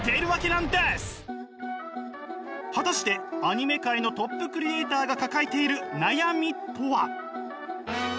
果たしてアニメ界のトップクリエーターが抱えている悩みとは？